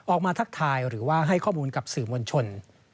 ทักทายหรือว่าให้ข้อมูลกับสื่อมวลชน